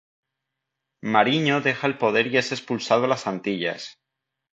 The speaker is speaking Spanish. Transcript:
Mariño deja el poder y es expulsado a la Antillas.